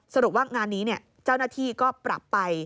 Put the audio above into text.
สรุปว่างานนี้เจ้าหน้าที่ก็ปรับไป